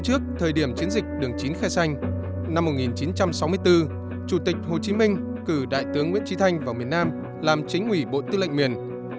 chủ tịch hồ chí minh cử đại tướng nguyễn trí thanh vào miền nam làm chính ủy bộ tư lệnh miền